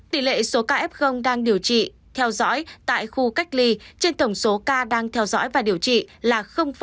tỷ lệ số ca f đang điều trị theo dõi tại khu cách ly trên tổng số ca đang theo dõi và điều trị là hai mươi tám